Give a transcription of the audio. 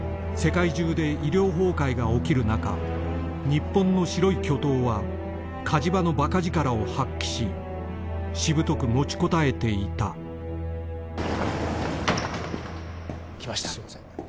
世界中で医療崩壊が起きる中日本の白い巨塔は火事場の馬鹿力を発揮ししぶとく持ちこたえていた来ました。